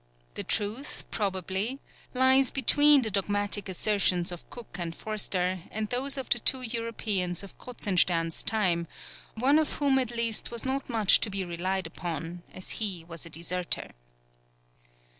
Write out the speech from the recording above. The truth, probably, lies between the dogmatic assertions of Cook and Forster and those of the two Europeans of Kruzenstern's time, one of whom at least was not much to be relied upon, as he was a deserter.